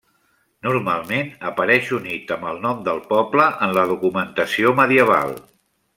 Normalment apareix unit amb el nom del poble en la documentació medieval.